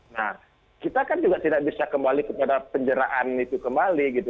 nah kita kan juga tidak bisa kembali kepada penjaraan itu kembali gitu